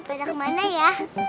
pada kemana ya